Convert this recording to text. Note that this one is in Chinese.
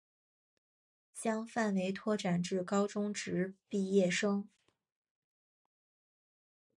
将范围拓展至高中职毕业生